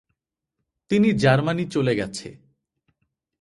তিনি জার্মানি চলে গেছে।